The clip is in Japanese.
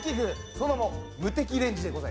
その名もムテキレンジでございます。